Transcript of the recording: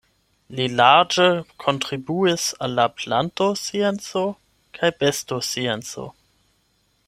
Li larĝe kontribuis al la plantoscienco kaj bestoscienco.